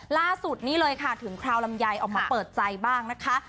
ล่าสุดนี้เลยค่ะถึงคราวลำไยออกมาเปิดใจบ้างนะคะ